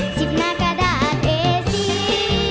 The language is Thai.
สิบหน้ากระดาษเอซี